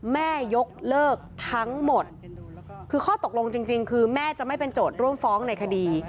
แม่ยกเลิกทั้งหมดคือข้อตกลงจริงคือแม่จะไม่เป็นโจทย์ร่วมฟ้องในคดี